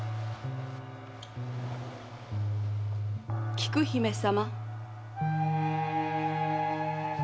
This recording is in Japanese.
菊姫様。